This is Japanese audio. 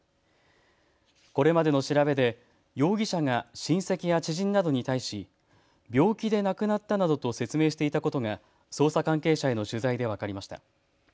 これまでの調べで容疑者が親戚や知人などに対し病気で亡くなったなどと説明していたことが捜査関係者への取材で分かりました。